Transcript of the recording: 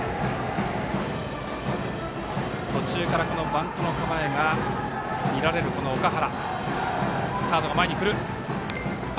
途中からバントの構えが見られる岳原。